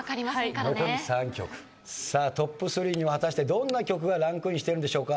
トップ３には果たしてどんな曲がランクインしてるんでしょうか？